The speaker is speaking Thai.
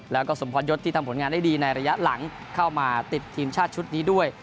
แล้วก็สมพรยศที่ทำผลงานได้ดีในระยะหลังเข้ามาติดทีมชาติชุดนี้ด้วย